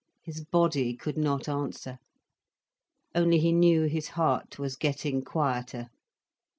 His body could not answer. Only he knew his heart was getting quieter.